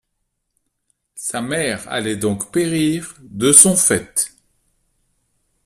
Sa mère allait donc périr, de son fait.